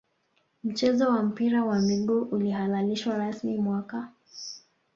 mchezo wa mpira wa miguu ulihalalishwa rasmi mwaka